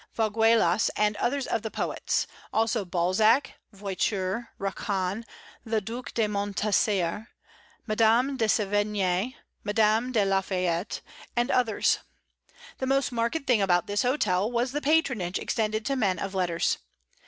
Vaugelas, and others of the poets; also Balzac, Voiture, Racan, the Duc de Montausier, Madame de Sévigné, Madame de la Fayette, and others. The most marked thing about this hotel was the patronage extended to men of letters.